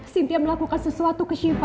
sintia melakukan sesuatu ke siva